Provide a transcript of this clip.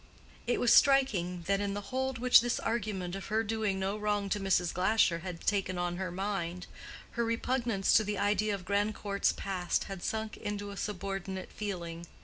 It was striking, that in the hold which this argument of her doing no wrong to Mrs. Glasher had taken on her mind, her repugnance to the idea of Grandcourt's past had sunk into a subordinate feeling.